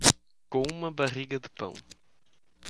Com uma barriga de pão.